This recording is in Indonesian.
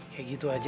kayak gitu aja